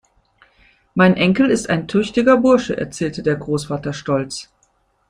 Mein Enkel ist ein tüchtiger Bursche, erzählte der Großvater stolz.